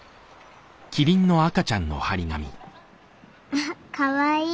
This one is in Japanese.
あっかわいい。